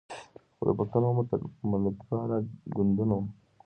خو د پښتنو ملتپاله ګوندونو